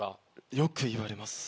よく言われます。